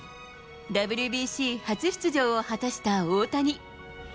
ＷＢＣ初出場を果たした大谷。